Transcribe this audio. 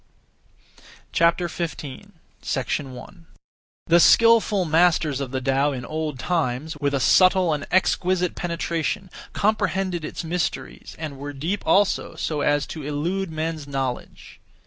15. 1. The skilful masters (of the Tao) in old times, with a subtle and exquisite penetration, comprehended its mysteries, and were deep (also) so as to elude men's knowledge.